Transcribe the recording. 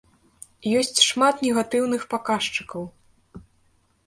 Ёсць шмат негатыўных паказчыкаў.